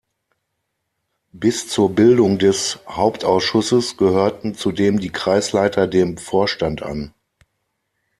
Bis zur Bildung des Hauptausschusses gehörten zudem die Kreisleiter dem Vorstand an.